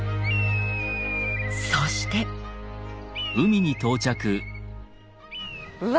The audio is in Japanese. そしてうわ！